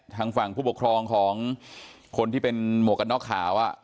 ทางฝั่งผู้ปกครองของคนที่เป็นหมวกกันน็อกขาว